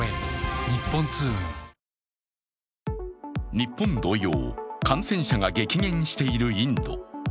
日本同様、感染者が激減しているインド。